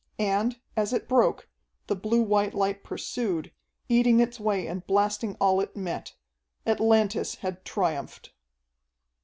And, as it broke, the blue white light pursued, eating its way and blasting all it met. Atlantis had triumphed.